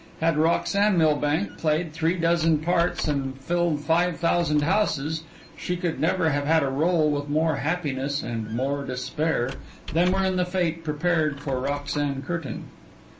Had Roxanne Milbank played three dozen parts and filled five thousand houses she could never have had a role with more happiness and more despair than were in the fate prepared for Roxanne Curtain.